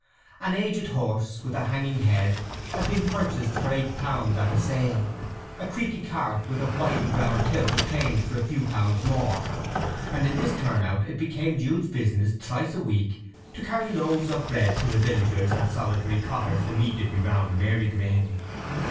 An aged horse with a hanging head had been purchased for eight pounds at a sale, a creaking cart with a whity brown tilt obtained for a few pounds more, and in this turn out it became Jude's business thrice a week to carry loaves of bread to the villagers and solitary cotters immediately round Marygreen.